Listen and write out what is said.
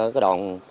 xây cất nhà mới